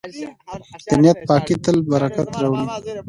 د نیت پاکي تل برکت راوړي.